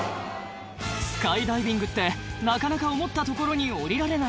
スカイダイビングってなかなか思った所に降りられない